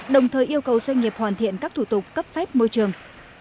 đồng thời yêu cầu doanh nghiệp hoàn thiện các thủ tục cấp phép môi trường